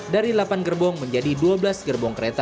dari delapan gerbong menjadi dua belas gerbong kereta